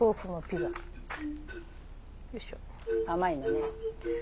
甘いのね。